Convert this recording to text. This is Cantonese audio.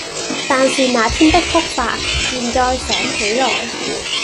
但是那天的哭法，現在想起來，